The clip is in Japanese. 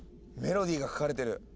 メロディーが書かれてる。